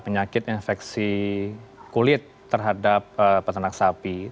penyakit infeksi kulit terhadap peternak sapi